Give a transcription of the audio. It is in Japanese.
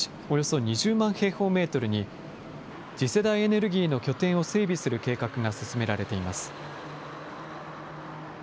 およそ２０万平方メートルに、次世代エネルギーの拠点を整備する計画が進められています。